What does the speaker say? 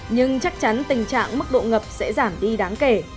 nhưng chắc chắn tình trạng mức độ ngập sẽ giảm đi đáng kể